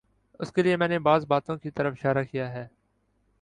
اس کے لیے میں نے بعض باتوں کی طرف اشارہ کیا ہے۔